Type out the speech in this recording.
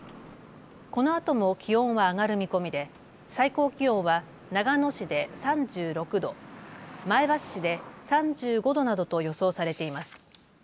このあとも気温は上がる見込みで最高気温は長野市で３６度、前橋市で３５度などと予想されています。